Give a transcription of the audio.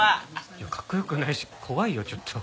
いやかっこよくないし怖いよちょっと。